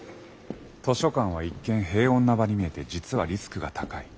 図書館は一見平穏な場に見えて実はリスクが高い。